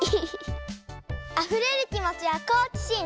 あふれるきもちはこうきしん！